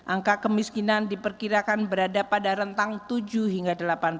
angka kemiskinan diperkirakan berada pada rentang tujuh hingga delapan belas